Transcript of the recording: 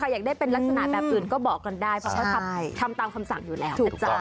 อยากได้เป็นลักษณะแบบอื่นก็บอกกันได้เพราะเขาทำตามคำสั่งอยู่แล้วนะจ๊ะ